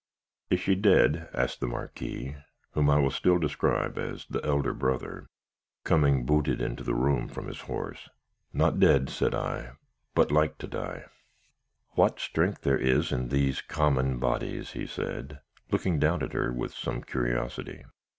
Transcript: "'Is she dead?' asked the Marquis, whom I will still describe as the elder brother, coming booted into the room from his horse. 'Not dead,' said I; 'but like to die.' "'What strength there is in these common bodies!' he said, looking down at her with some curiosity.